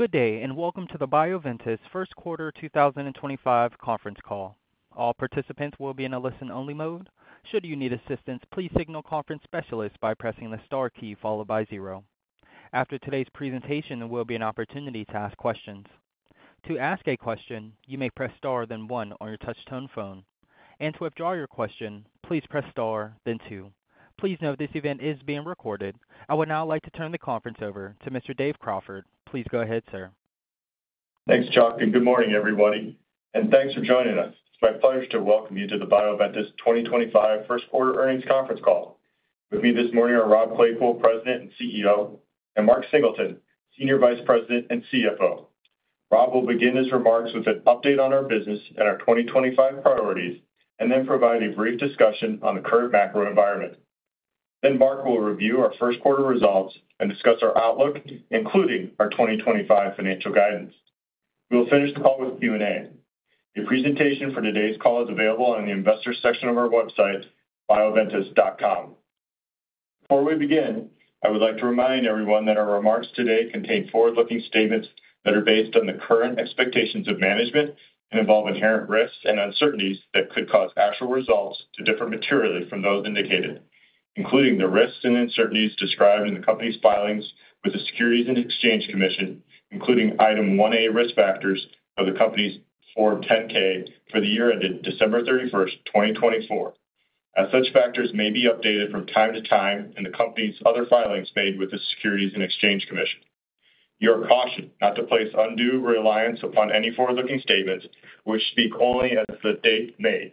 Good day, and welcome to the Bioventus First Quarter 2025 Conference Call. All participants will be in a listen-only mode. Should you need assistance, please signal conference specialists by pressing the star key followed by zero. After today's presentation, there will be an opportunity to ask questions. To ask a question, you may press star then one on your touch-tone phone. To withdraw your question, please press star then two. Please note this event is being recorded. I would now like to turn the conference over to Mr. Dave Crawford. Please go ahead, sir. Thanks, Chuck, and good morning, everybody. Thanks for joining us. It's my pleasure to welcome you to the Bioventus 2025 First Quarter Earnings Conference Call. With me this morning are Rob Claypoole, President and CEO, and Mark Singleton, Senior Vice President and CFO. Rob will begin his remarks with an update on our business and our 2025 priorities, and then provide a brief discussion on the current macro environment. Mark will review our first quarter results and discuss our outlook, including our 2025 financial guidance. We'll finish the call with Q&A. A presentation for today's call is available on the investor section of our website, bioventus.com. Before we begin, I would like to remind everyone that our remarks today contain forward-looking statements that are based on the current expectations of management and involve inherent risks and uncertainties that could cause actual results to differ materially from those indicated, including the risks and uncertainties described in the company's filings with the Securities and Exchange Commission, including item 1A risk factors of the company's Form 10-K for the year ended December 31, 2024. As such factors may be updated from time to time in the company's other filings made with the Securities and Exchange Commission. You are cautioned not to place undue reliance upon any forward-looking statements, which speak only as the date made.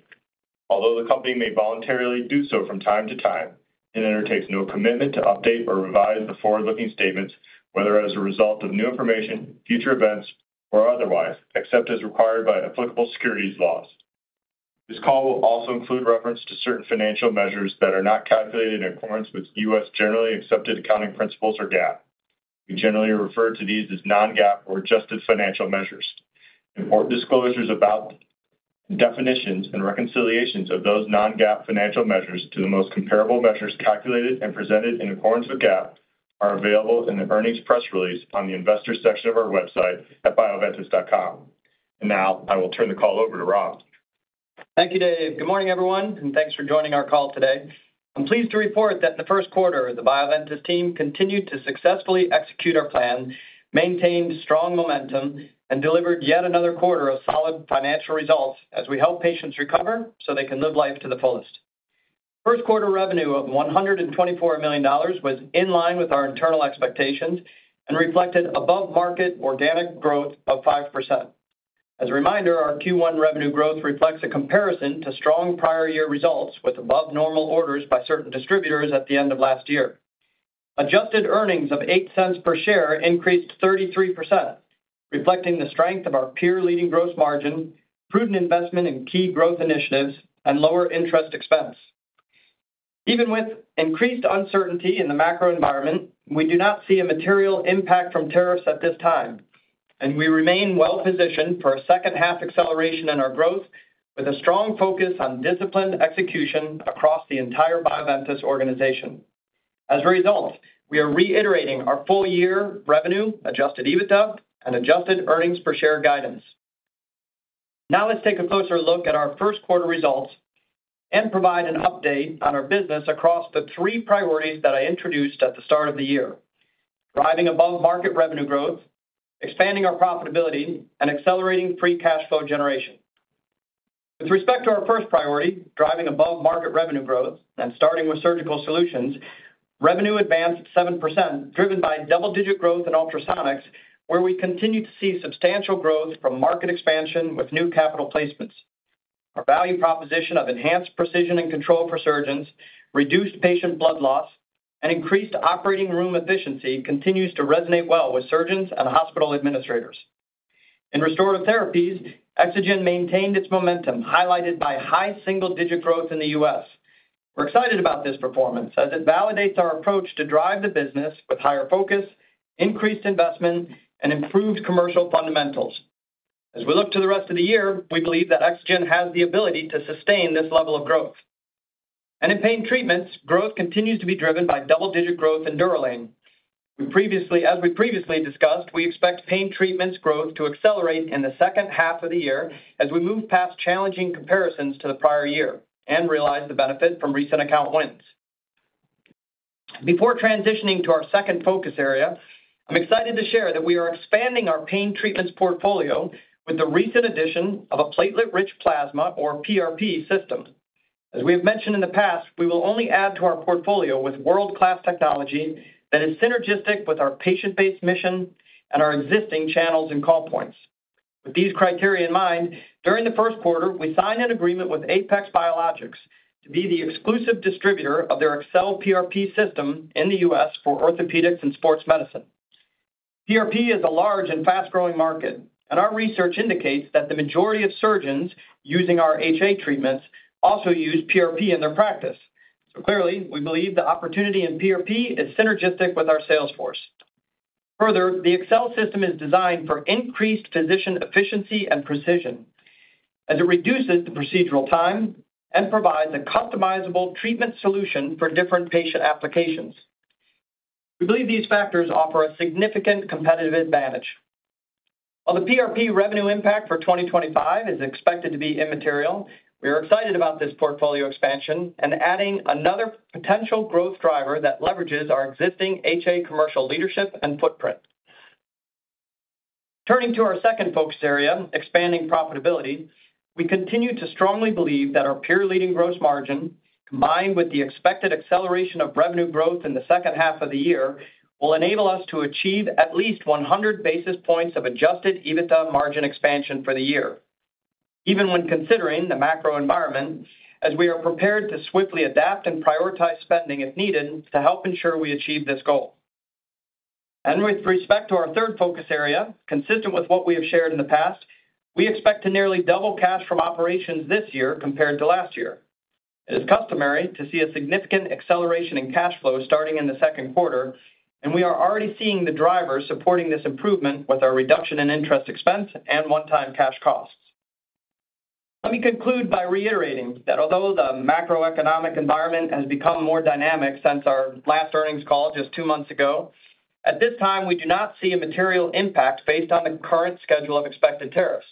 Although the company may voluntarily do so from time to time, it undertakes no commitment to update or revise the forward-looking statements, whether as a result of new information, future events, or otherwise, except as required by applicable securities laws. This call will also include reference to certain financial measures that are not calculated in accordance with U.S. generally accepted accounting principles or GAAP. We generally refer to these as non-GAAP or adjusted financial measures. Important disclosures about definitions and reconciliations of those non-GAAP financial measures to the most comparable measures calculated and presented in accordance with GAAP are available in the earnings press release on the investor section of our website at bioventus.com. Now I will turn the call over to Rob. Thank you, Dave. Good morning, everyone, and thanks for joining our call today. I'm pleased to report that in the first quarter, the Bioventus team continued to successfully execute our plan, maintained strong momentum, and delivered yet another quarter of solid financial results as we help patients recover so they can live life to the fullest. First quarter revenue of $124 million was in line with our internal expectations and reflected above-market organic growth of 5%. As a reminder, our Q1 revenue growth reflects a comparison to strong prior year results with above-normal orders by certain distributors at the end of last year. Adjusted earnings of $0.08 per share increased 33%, reflecting the strength of our peer-leading gross margin, prudent investment in key growth initiatives, and lower interest expense. Even with increased uncertainty in the macro environment, we do not see a material impact from tariffs at this time, and we remain well-positioned for a second-half acceleration in our growth with a strong focus on disciplined execution across the entire Bioventus organization. As a result, we are reiterating our full-year revenue, adjusted EBITDA, and adjusted earnings per share guidance. Now let's take a closer look at our first quarter results and provide an update on our business across the three priorities that I introduced at the start of the year: driving above-market revenue growth, expanding our profitability, and accelerating free cash flow generation. With respect to our first priority, driving above-market revenue growth, and starting with surgical solutions, revenue advanced 7%, driven by double-digit growth in ultrasonics, where we continue to see substantial growth from market expansion with new capital placements. Our value proposition of enhanced precision and control for surgeons, reduced patient blood loss, and increased operating room efficiency continues to resonate well with surgeons and hospital administrators. In Restorative Therapies, EXOGEN maintained its momentum, highlighted by high single-digit growth in the U.S. We're excited about this performance as it validates our approach to drive the business with higher focus, increased investment, and improved commercial fundamentals. As we look to the rest of the year, we believe that EXOGEN has the ability to sustain this level of growth. In pain treatments, growth continues to be driven by double-digit growth in DUROLANE. As we previously discussed, we expect pain treatments growth to accelerate in the second half of the year as we move past challenging comparisons to the prior year and realize the benefit from recent account wins. Before transitioning to our second focus area, I'm excited to share that we are expanding our pain treatments portfolio with the recent addition of a Platelet-Rich Plasma, or PRP, system. As we have mentioned in the past, we will only add to our portfolio with world-class technology that is synergistic with our patient-based mission and our existing channels and call points. With these criteria in mind, during the first quarter, we signed an agreement with APEX Biologix to be the exclusive distributor of their XCELL PRP system in the U.S. for orthopedics and sports medicine. PRP is a large and fast-growing market, and our research indicates that the majority of surgeons using our HA treatments also use PRP in their practice. Clearly, we believe the opportunity in PRP is synergistic with our sales force. Further, the XCELL system is designed for increased physician efficiency and precision, as it reduces the procedural time and provides a customizable treatment solution for different patient applications. We believe these factors offer a significant competitive advantage. While the PRP revenue impact for 2025 is expected to be immaterial, we are excited about this portfolio expansion and adding another potential growth driver that leverages our existing HA commercial leadership and footprint. Turning to our second focus area, expanding profitability, we continue to strongly believe that our peer-leading gross margin, combined with the expected acceleration of revenue growth in the second half of the year, will enable us to achieve at least 100 basis points of adjusted EBITDA margin expansion for the year, even when considering the macro environment, as we are prepared to swiftly adapt and prioritize spending if needed to help ensure we achieve this goal. With respect to our third focus area, consistent with what we have shared in the past, we expect to nearly double cash from operations this year compared to last year. It is customary to see a significant acceleration in cash flow starting in the second quarter, and we are already seeing the drivers supporting this improvement with our reduction in interest expense and one-time cash costs. Let me conclude by reiterating that although the macroeconomic environment has become more dynamic since our last earnings call just two months ago, at this time, we do not see a material impact based on the current schedule of expected tariffs.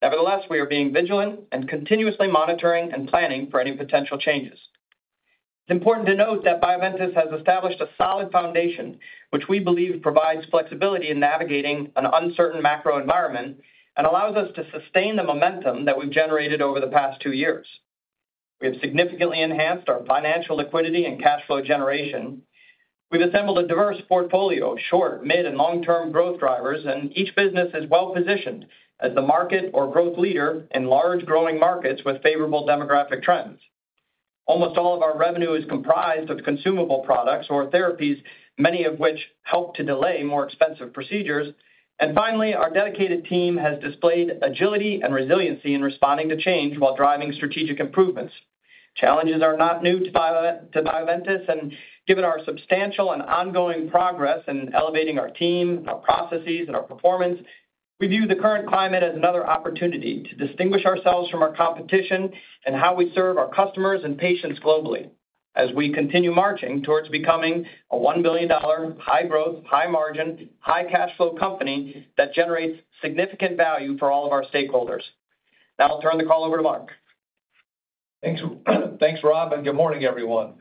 Nevertheless, we are being vigilant and continuously monitoring and planning for any potential changes. It's important to note that Bioventus has established a solid foundation, which we believe provides flexibility in navigating an uncertain macro environment and allows us to sustain the momentum that we've generated over the past two years. We have significantly enhanced our financial liquidity and cash flow generation. We've assembled a diverse portfolio of short, mid, and long-term growth drivers, and each business is well-positioned as the market or growth leader in large growing markets with favorable demographic trends. Almost all of our revenue is comprised of consumable products or therapies, many of which help to delay more expensive procedures. Finally, our dedicated team has displayed agility and resiliency in responding to change while driving strategic improvements. Challenges are not new to Bioventus, and given our substantial and ongoing progress in elevating our team, our processes, and our performance, we view the current climate as another opportunity to distinguish ourselves from our competition and how we serve our customers and patients globally as we continue marching towards becoming a $1 billion high-growth, high-margin, high-cash flow company that generates significant value for all of our stakeholders. Now I'll turn the call over to Mark. Thanks, Rob, and good morning, everyone.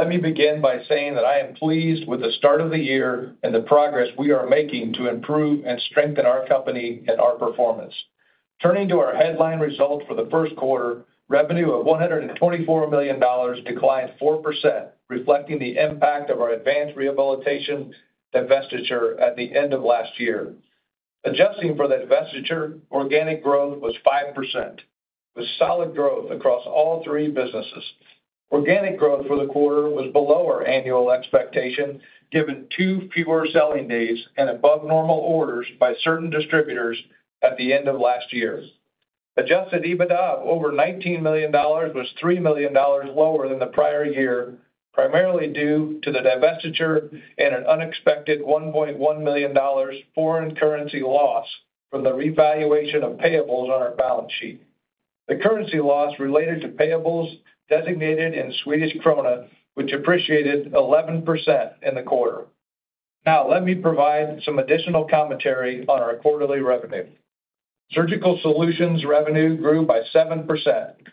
Let me begin by saying that I am pleased with the start of the year and the progress we are making to improve and strengthen our company and our performance. Turning to our headline results for the first quarter, revenue of $124 million declined 4%, reflecting the impact of our advanced rehabilitation divestiture at the end of last year. Adjusting for the divestiture, organic growth was 5%, with solid growth across all three businesses. Organic growth for the quarter was below our annual expectation, given two fewer selling days and above-normal orders by certain distributors at the end of last year. Adjusted EBITDA of over $19 million was $3 million lower than the prior year, primarily due to the divestiture and an unexpected $1.1 million foreign currency loss from the revaluation of payables on our balance sheet. The currency loss related to payables designated in Swedish krona, which appreciated 11% in the quarter. Now let me provide some additional commentary on our quarterly revenue. Surgical Solutions revenue grew by 7%,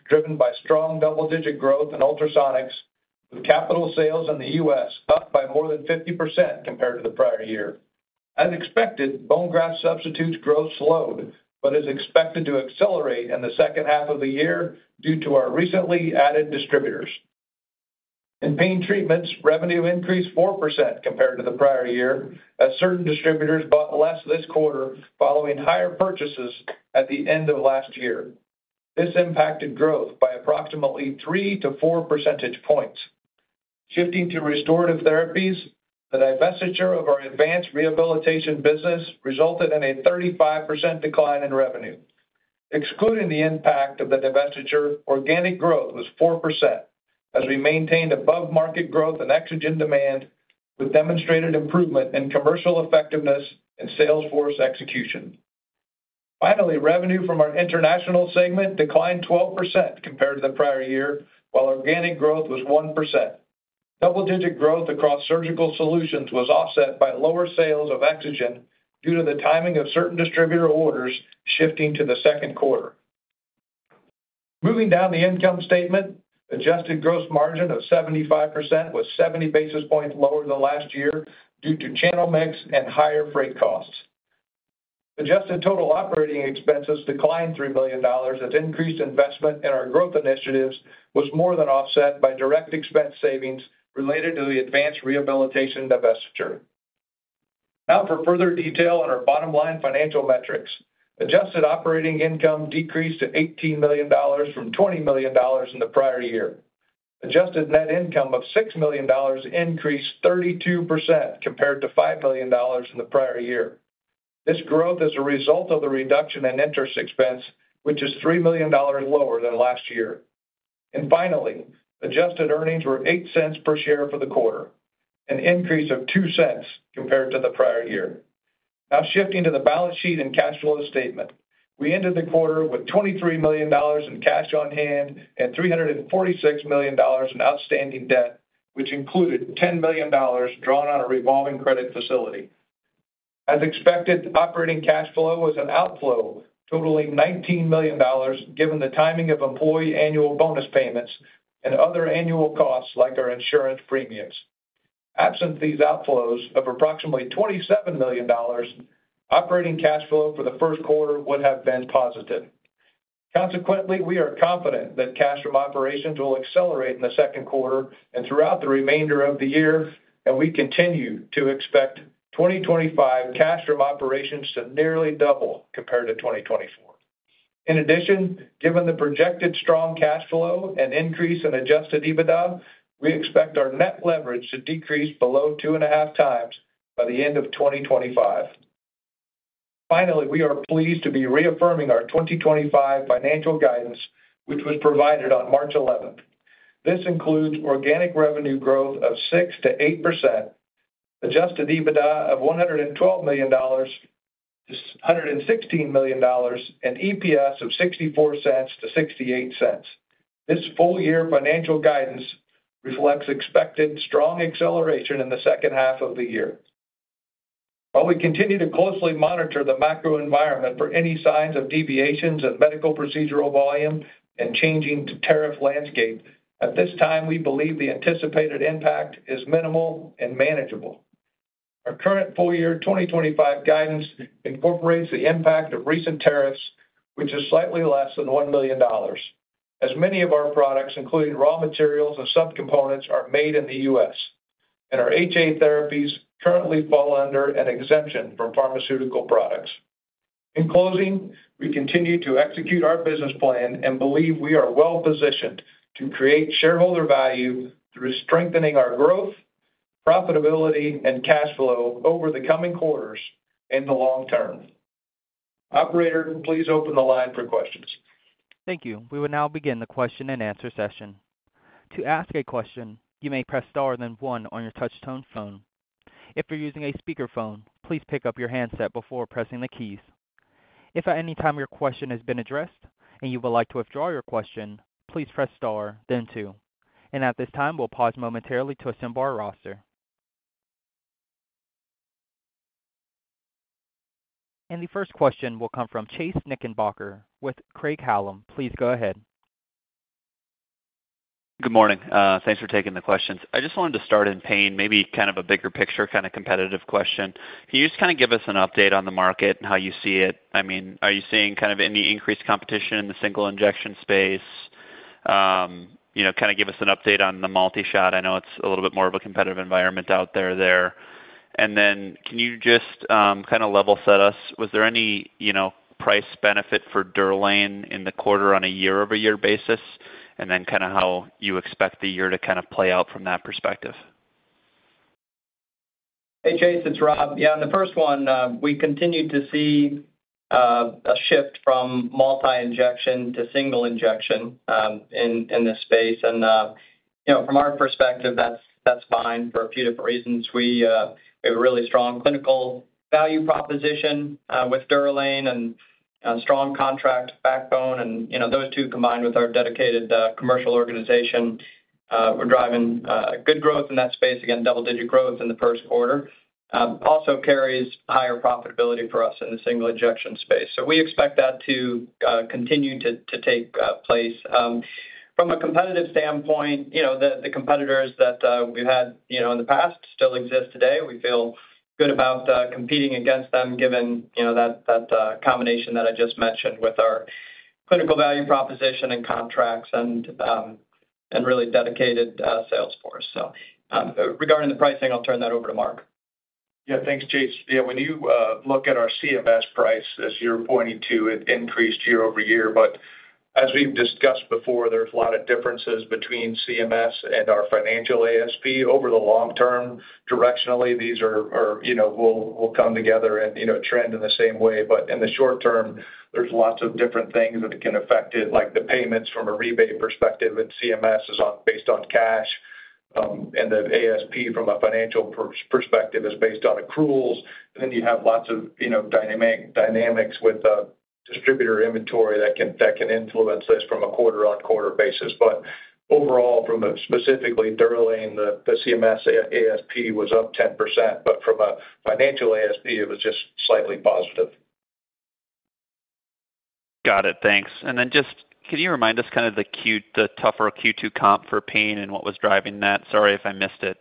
driven by strong double-digit growth in ultrasonics, with capital sales in the U.S. up by more than 50% compared to the prior year. As expected, bone graft substitutes' growth slowed but is expected to accelerate in the second half of the year due to our recently added distributors. In Pain Treatments, revenue increased 4% compared to the prior year, as certain distributors bought less this quarter following higher purchases at the end of last year. This impacted growth by approximately 3-4 percentage points. Shifting to Restorative Therapies, the divestiture of our advanced rehabilitation business resulted in a 35% decline in revenue. Excluding the impact of the divestiture, organic growth was 4%, as we maintained above-market growth in EXOGEN demand, which demonstrated improvement in commercial effectiveness and sales force execution. Finally, revenue from our international segment declined 12% compared to the prior year, while organic growth was 1%. Double-digit growth across Surgical Solutions was offset by lower sales of EXOGEN due to the timing of certain distributor orders shifting to the second quarter. Moving down the income statement, adjusted gross margin of 75% was 70 basis points lower than last year due to channel mix and higher freight costs. Adjusted total operating expenses declined $3 million, as increased investment in our growth initiatives was more than offset by direct expense savings related to the advanced rehabilitation divestiture. Now for further detail on our bottom-line financial metrics. Adjusted operating income decreased to $18 million from $20 million in the prior year. Adjusted net income of $6 million increased 32% compared to $5 million in the prior year. This growth is a result of the reduction in interest expense, which is $3 million lower than last year. Finally, adjusted earnings were $0.08 per share for the quarter, an increase of $0.02 compared to the prior year. Now shifting to the balance sheet and cash flow statement, we ended the quarter with $23 million in cash on hand and $346 million in outstanding debt, which included $10 million drawn on a revolving credit facility. As expected, operating cash flow was an outflow totaling $19 million, given the timing of employee annual bonus payments and other annual costs like our insurance premiums. Absent these outflows of approximately $27 million, operating cash flow for the first quarter would have been positive. Consequently, we are confident that cash from operations will accelerate in the second quarter and throughout the remainder of the year, and we continue to expect 2025 cash from operations to nearly double compared to 2024. In addition, given the projected strong cash flow and increase in adjusted EBITDA, we expect our net leverage to decrease below two and a half times by the end of 2025. Finally, we are pleased to be reaffirming our 2025 financial guidance, which was provided on March 11th. This includes organic revenue growth of 6%-8%, adjusted EBITDA of $112 million-$116 million, and EPS of $0.64-$0.68. This full-year financial guidance reflects expected strong acceleration in the second half of the year. While we continue to closely monitor the macro environment for any signs of deviations in medical procedural volume and changing tariff landscape, at this time, we believe the anticipated impact is minimal and manageable. Our current full-year 2025 guidance incorporates the impact of recent tariffs, which is slightly less than $1 million, as many of our products, including raw materials and subcomponents, are made in the U.S., and our HA therapies currently fall under an exemption from pharmaceutical products. In closing, we continue to execute our business plan and believe we are well-positioned to create shareholder value through strengthening our growth, profitability, and cash flow over the coming quarters and the long term. Operator, please open the line for questions. Thank you. We will now begin the question-and-answer session. To ask a question, you may press star then one on your touch-tone phone. If you're using a speakerphone, please pick up your handset before pressing the keys. If at any time your question has been addressed and you would like to withdraw your question, please press star, then two. At this time, we'll pause momentarily to assemble our roster. The first question will come from Chase Knickerbocker with Craig-Hallum. Please go ahead. Good morning. Thanks for taking the questions. I just wanted to start in pain, maybe kind of a bigger picture, kind of competitive question. Can you just kind of give us an update on the market and how you see it? I mean, are you seeing kind of any increased competition in the single injection space? Kind of give us an update on the multi-shot. I know it's a little bit more of a competitive environment out there. Can you just kind of level set us? Was there any price benefit for DUROLANE in the quarter on a year-over-year basis? And then kind of how you expect the year to kind of play out from that perspective? Hey, Chase. It's Rob. Yeah, on the first one, we continue to see a shift from multi-injection to single injection in this space. From our perspective, that's fine for a few different reasons. We have a really strong clinical value proposition with DUROLANE and a strong contract backbone. Those two, combined with our dedicated commercial organization, are driving good growth in that space, again, double-digit growth in the first quarter. It also carries higher profitability for us in the single injection space. We expect that to continue to take place. From a competitive standpoint, the competitors that we've had in the past still exist today. We feel good about competing against them, given that combination that I just mentioned with our clinical value proposition and contracts and really dedicated sales force. Regarding the pricing, I'll turn that over to Mark. Yeah, thanks, Chase. Yeah, when you look at our CMS price, as you're pointing to, it increased year over year. As we've discussed before, there's a lot of differences between CMS and our financial ASP over the long term. Directionally, these will come together and trend in the same way. In the short term, there's lots of different things that can affect it, like the payments from a rebate perspective, and CMS is based on cash. The ASP from a financial perspective is based on accruals. You have lots of dynamics with distributor inventory that can influence this from a quarter-on-quarter basis. Overall, specifically DUROLANE, the CMS and ASP was up 10%, but from a financial ASP, it was just slightly positive. Got it. Thanks. Can you remind us kind of the tougher Q2 comp for pain and what was driving that? Sorry if I missed it.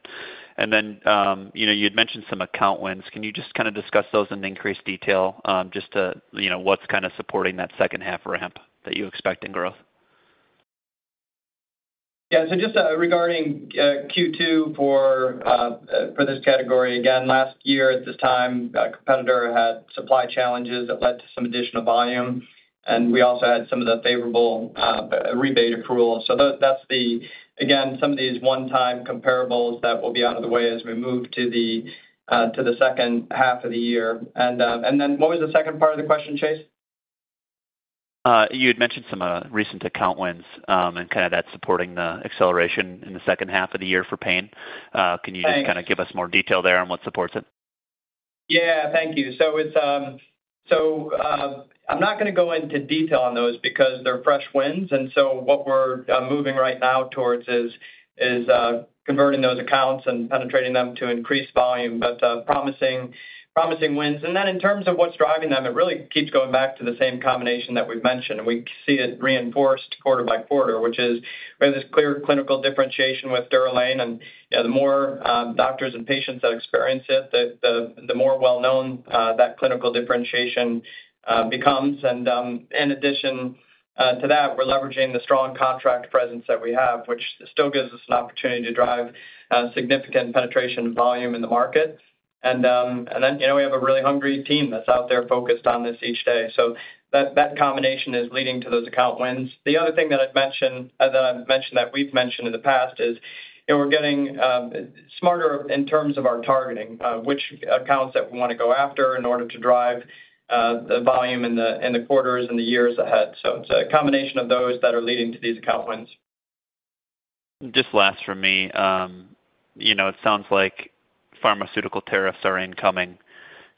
You had mentioned some account wins. Can you just kind of discuss those in increased detail, just to what's kind of supporting that second-half ramp that you expect in growth? Yeah. Just regarding Q2 for this category, again, last year at this time, a competitor had supply challenges that led to some additional volume. We also had some of the favorable rebate accrual. That is, again, some of these one-time comparables that will be out of the way as we move to the second half of the year. What was the second part of the question, Chase? You had mentioned some recent account wins and kind of that supporting the acceleration in the second half of the year for pain. Can you just kind of give us more detail there on what supports it? Yeah, thank you. I'm not going to go into detail on those because they're fresh wins. What we're moving right now towards is converting those accounts and penetrating them to increase volume, but promising wins. In terms of what's driving them, it really keeps going back to the same combination that we've mentioned. We see it reinforced quarter by quarter, which is we have this clear clinical differentiation with DUROLANE. The more doctors and patients that experience it, the more well-known that clinical differentiation becomes. In addition to that, we're leveraging the strong contract presence that we have, which still gives us an opportunity to drive significant penetration volume in the market. We have a really hungry team that's out there focused on this each day. That combination is leading to those account wins. The other thing that I've mentioned that we've mentioned in the past is we're getting smarter in terms of our targeting, which accounts that we want to go after in order to drive the volume in the quarters and the years ahead. It is a combination of those that are leading to these account wins. Just last from me. It sounds like pharmaceutical tariffs are incoming.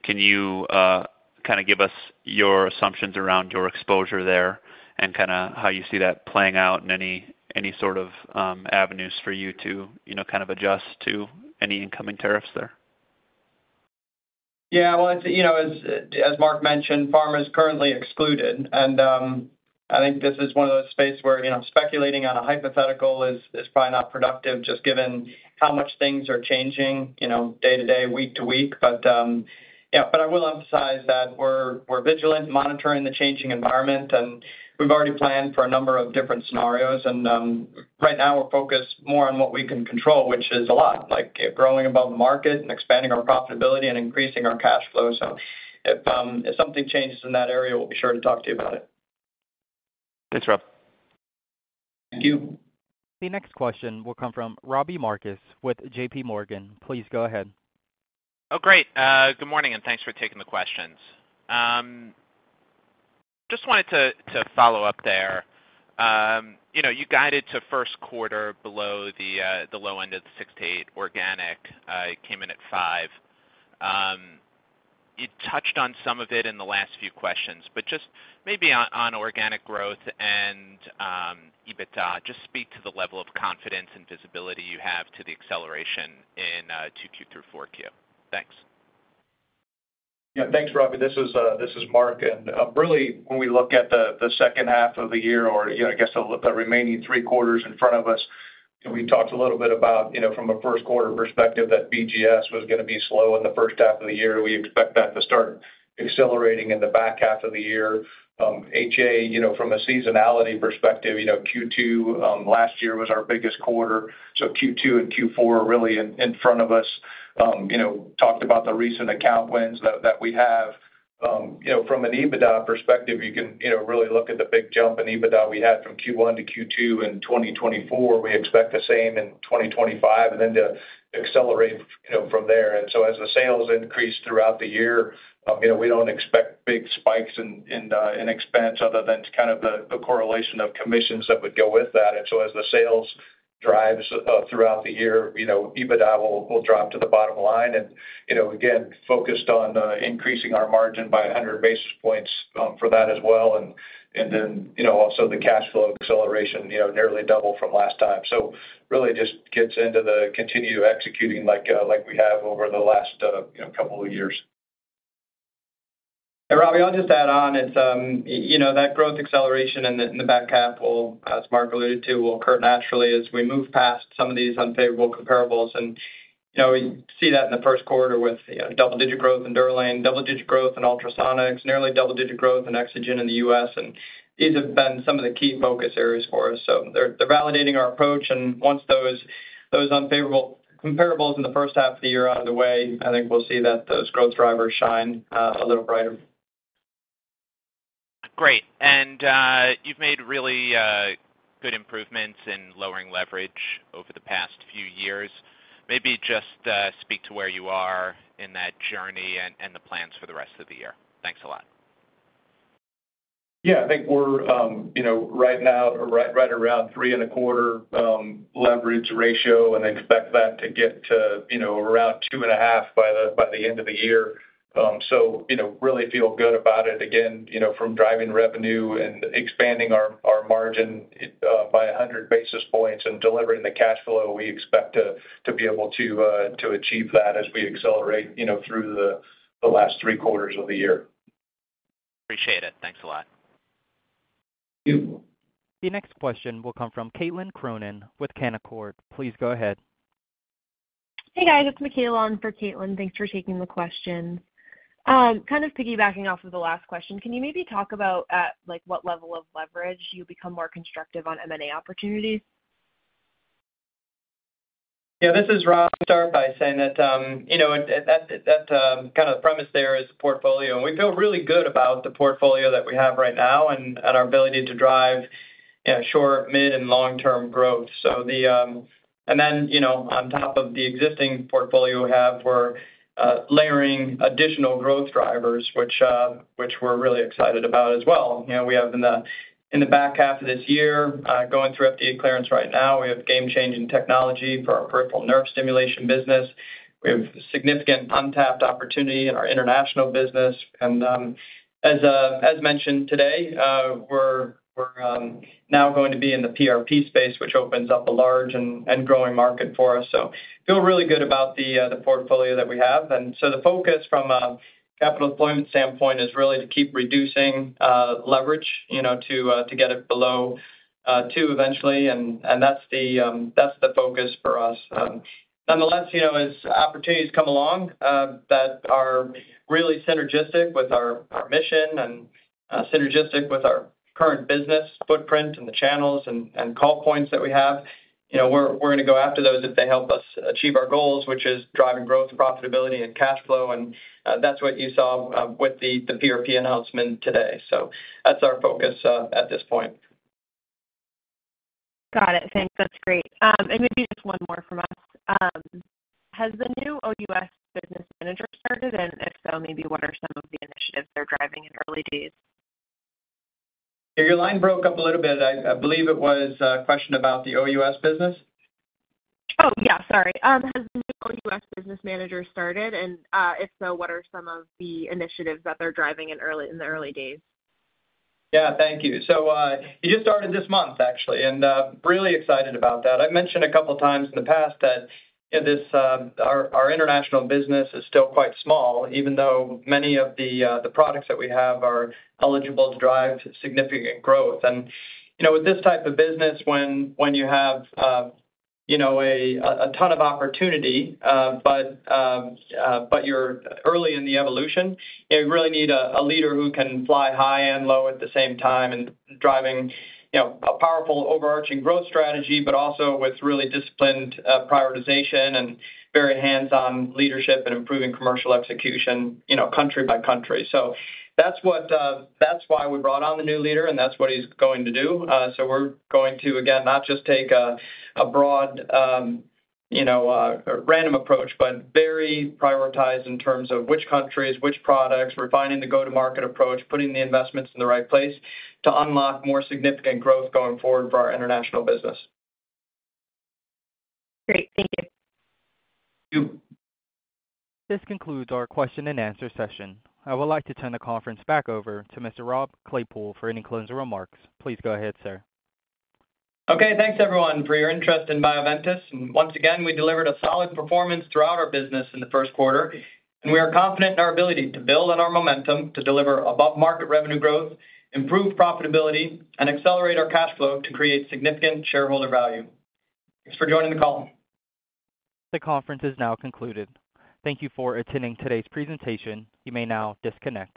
Can you kind of give us your assumptions around your exposure there and kind of how you see that playing out and any sort of avenues for you to kind of adjust to any incoming tariffs there? Yeah. As Mark mentioned, pharma is currently excluded. I think this is one of those spaces where speculating on a hypothetical is probably not productive, just given how much things are changing day to day, week to week. I will emphasize that we're vigilant, monitoring the changing environment. We've already planned for a number of different scenarios. Right now, we're focused more on what we can control, which is a lot, like growing above the market and expanding our profitability and increasing our cash flow. If something changes in that area, we'll be sure to talk to you about it. Thanks, Rob. Thank you. The next question will come from Robbie Marcus with JPMorgan. Please go ahead. Oh, great. Good morning and thanks for taking the questions. Just wanted to follow up there. You guided to first quarter below the low end of the 6%-8% organic. It came in at 5%. You touched on some of it in the last few questions, but just maybe on organic growth and EBITDA, just speak to the level of confidence and visibility you have to the acceleration in 2Q through 4Q. Thanks. Yeah, thanks, Robbie. This is Mark. Really, when we look at the second half of the year or, I guess, the remaining three quarters in front of us, we talked a little bit about from a first quarter perspective that BGS was going to be slow in the first half of the year. We expect that to start accelerating in the back half of the year. HA, from a seasonality perspective, Q2 last year was our biggest quarter. Q2 and Q4 are really in front of us. Talked about the recent account wins that we have. From an EBITDA perspective, you can really look at the big jump in EBITDA we had from Q1 to Q2 in 2024. We expect the same in 2025 and then to accelerate from there. As the sales increase throughout the year, we do not expect big spikes in expense other than kind of the correlation of commissions that would go with that. As the sales drive throughout the year, EBITDA will drop to the bottom line. Again, focused on increasing our margin by 100 basis points for that as well. Also, the cash flow acceleration nearly doubled from last time. Really just gets into the continue executing like we have over the last couple of years. Robbie, I'll just add on. That growth acceleration in the back half, as Mark alluded to, will occur naturally as we move past some of these unfavorable comparables. We see that in the first quarter with double-digit growth in DUROLANE, double-digit growth in ultrasonics, nearly double-digit growth in EXOGEN in the U.S. These have been some of the key focus areas for us. They are validating our approach. Once those unfavorable comparables in the first half of the year are out of the way, I think we'll see that those growth drivers shine a little brighter. Great. You have made really good improvements in lowering leverage over the past few years. Maybe just speak to where you are in that journey and the plans for the rest of the year. Thanks a lot. Yeah, I think we're right now right around three and a quarter leverage ratio and expect that to get to around two and a half by the end of the year. Really feel good about it. Again, from driving revenue and expanding our margin by 100 basis points and delivering the cash flow, we expect to be able to achieve that as we accelerate through the last three quarters of the year. Appreciate it. Thanks a lot. Thank you. The next question will come from Caitlin Cronin with Canaccord. Please go ahead. Hey, guys. It's Mikaela for Caitlin. Thanks for taking the question. Kind of piggybacking off of the last question, can you maybe talk about at what level of leverage you become more constructive on M&A opportunities? Yeah, this is Rob. Start by saying that that kind of premise there is portfolio. We feel really good about the portfolio that we have right now and our ability to drive short, mid, and long-term growth. On top of the existing portfolio we have, we're layering additional growth drivers, which we're really excited about as well. We have in the back half of this year, going through FDA clearance right now, game-changing technology for our peripheral nerve stimulation business. We have significant untapped opportunity in our international business. As mentioned today, we're now going to be in the PRP space, which opens up a large and growing market for us. Feel really good about the portfolio that we have. The focus from a capital deployment standpoint is really to keep reducing leverage to get it below two eventually. That's the focus for us. Nonetheless, as opportunities come along that are really synergistic with our mission and synergistic with our current business footprint and the channels and call points that we have, we're going to go after those if they help us achieve our goals, which is driving growth, profitability, and cash flow. That's what you saw with the PRP announcement today. That's our focus at this point. Got it. Thanks. That's great. Maybe just one more from us. Has the new OUS business manager started? If so, maybe what are some of the initiatives they're driving in early days? Yeah, your line broke up a little bit. I believe it was a question about the OUS business? Oh, yeah. Sorry. Has the new O.U.S. business manager started? If so, what are some of the initiatives that they're driving in the early days? Yeah, thank you. He just started this month, actually, and really excited about that. I've mentioned a couple of times in the past that our international business is still quite small, even though many of the products that we have are eligible to drive significant growth. With this type of business, when you have a ton of opportunity, but you're early in the evolution, you really need a leader who can fly high and low at the same time, driving a powerful overarching growth strategy, but also with really disciplined prioritization and very hands-on leadership and improving commercial execution country by country. That is why we brought on the new leader, and that is what he's going to do. We're going to, again, not just take a broad random approach, but very prioritized in terms of which countries, which products, refining the go-to-market approach, putting the investments in the right place to unlock more significant growth going forward for our international business. Great. Thank you. Thank you. This concludes our question and answer session. I would like to turn the conference back over to Mr. Rob Claypoole for any closing remarks. Please go ahead, sir. Okay. Thanks, everyone, for your interest in Bioventus. Once again, we delivered a solid performance throughout our business in the first quarter. We are confident in our ability to build on our momentum to deliver above-market revenue growth, improve profitability, and accelerate our cash flow to create significant shareholder value. Thanks for joining the call. The conference is now concluded. Thank you for attending today's presentation. You may now disconnect.